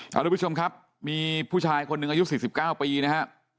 สวัสดีผู้ชมครับมีผู้ชายคนหนึ่งอายุ๔๙ปีนะครับ